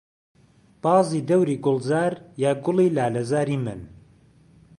بازی دهوری گوڵزار یا گوڵی لالهزاری من